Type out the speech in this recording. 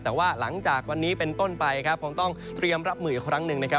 แต่ว่าหลังจากวันนี้เป็นต้นไปครับคงต้องเตรียมรับมืออีกครั้งหนึ่งนะครับ